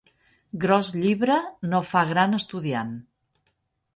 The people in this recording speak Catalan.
Gros llibre no fa gran estudiant.